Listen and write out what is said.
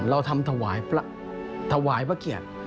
เราทำถวายพระเกียรติ